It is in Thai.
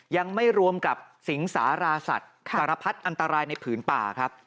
ยังไม่รวมกับสิงสาราสัตว์สารพัดอันตรายในผืนป่าครับ